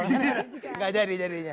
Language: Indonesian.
tidak jadi jadinya